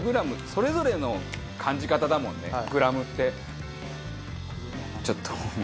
それぞれの感じ方だもんねグラムって。